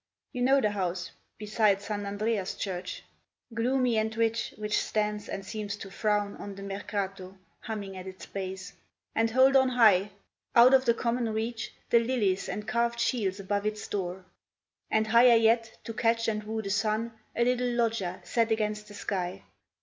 You know the house, beside St. Andrea's church, Gloomy and rich, which stands, and seems to frown On the Mercato, humming at its base; And hold on high, out of the common reach, The lilies and carved shields above its door; And, higher yet, to catch and woo the sun, A little loggia set against the sky?